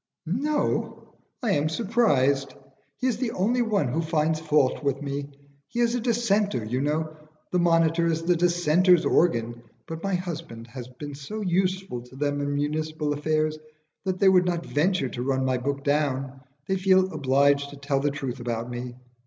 "No! I am surprised. He is the only one who finds fault with me. He is a Dissenter, you know. The 'Monitor' is the Dissenters' organ, but my husband has been so useful to them in municipal affairs that they would not venture to run my book down; they feel obliged to tell the truth about me.